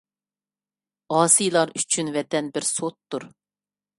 ئاسىيلار ئۈچۈن ۋەتەن بىر سوتتۇر.